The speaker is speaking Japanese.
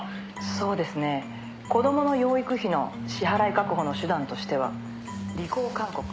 「そうですね子供の養育費の支払い確保の手段としては履行勧告」